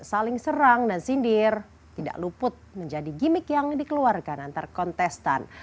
saling serang dan sindir tidak luput menjadi gimmick yang dikeluarkan antar kontestan